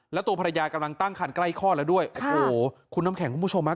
แล้วตัวภรรยากำลังตั้งขันใกล้ข้อแล้วด้วยค่ะโอ้โหคุณอำแขกรุงผู้ชมนะ